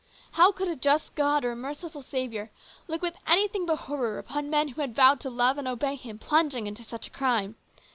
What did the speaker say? How could a just God or a merciful Saviour look with anything but horror upon men who had vowed to love and obey Him, plunging into such a crime